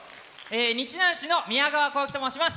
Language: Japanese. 日南市のみやがわと申します。